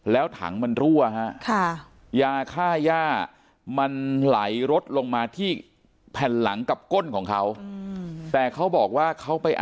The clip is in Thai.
แล้วถังมันรั่วฮะค่ะยาค่าย่ามันไหลรถลงมาที่แผ่นหลังกับก้นของเขา